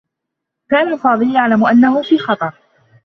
كان فاضل يعلم أنّه في خطر.